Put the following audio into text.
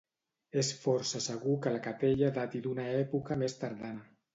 És força segur que la capella dati d'una època més tardana.